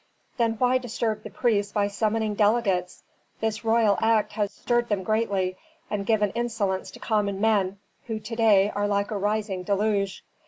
"Then why disturb the priests by summoning delegates? This royal act has stirred them greatly, and given insolence to common men, who to day are like a rising deluge."